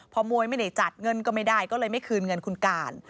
พอมวยไม่ได้จัดเงินก็ไม่ได้ก็เลยไม่คืนเงินคุณการ